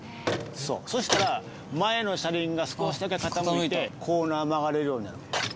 そう、そしたら、前の車輪が少しだけ傾いて、コーナー曲がれるようになる。